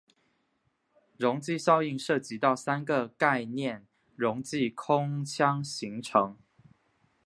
溶剂效应涉及到三个概念溶剂空腔形成。